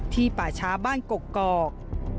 ป่าช้าบ้านกกอก